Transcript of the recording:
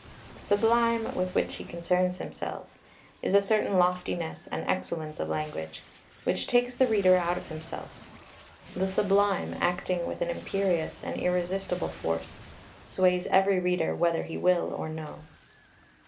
] The Sublime, with which he concerns himself, is "a certain loftiness and excellence of language," which "takes the reader out of himself.... The Sublime, acting with an imperious and irresistible force, sways every reader whether he will or no."